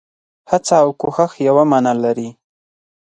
هڅه او کوښښ يوه مانا لري.